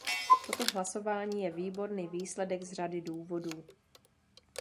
Toto hlasování je výborný výsledek, z řady důvodů.